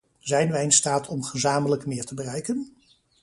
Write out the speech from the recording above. Zijn wij in staat om gezamenlijk meer te bereiken?